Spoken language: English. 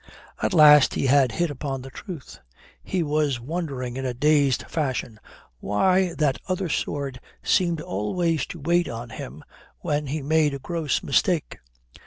At last he had hit upon the truth. He was wondering in a dazed fashion why that other sword seemed always to wait on him when he made a gross mistake.